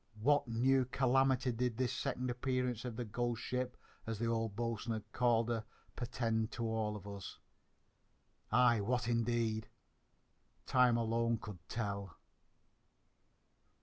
What new calamity did this second appearance of the "ghost ship," as the old boatswain called her, portend to all of us? Aye, what, indeed! Time alone could tell.